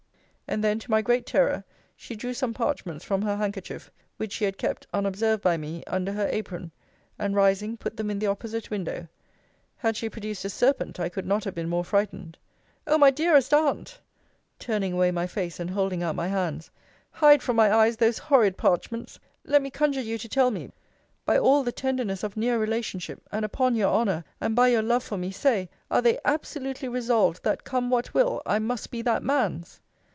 And then, to my great terror, she drew some parchments form her handkerchief, which she had kept, (unobserved by me,) under her apron; and rising, put them in the opposite window. Had she produced a serpent, I could not have been more frightened. Oh! my dearest Aunt, turning away my face, and holding out my hands, hide from my eyes those horrid parchments! Let me conjure you to tell me by all the tenderness of near relationship, and upon your honour, and by your love for me, say, Are they absolutely resolved, that, come what will, I must be that man's?